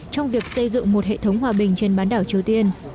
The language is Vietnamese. trong việc xây dựng một hệ thống hòa bình trên bán đảo triều tiên